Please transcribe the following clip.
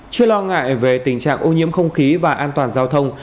chưa lo ngại về tình trạng ô nhiễm không khí và an toàn giao thông